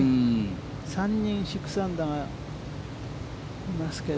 ３人、６アンダーがいますけれど。